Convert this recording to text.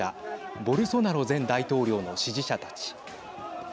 ボルソナロ前大統領の支持者たち。